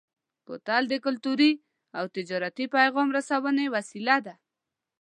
بوتل د کلتوري او تجارتي پیغام رسونې وسیله ده.